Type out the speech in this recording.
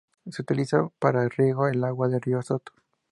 Se utiliza para riego el agua del río Soto.